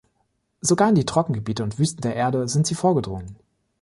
Sogar in die Trockengebiete und Wüsten der Erde sind sie vorgedrungen.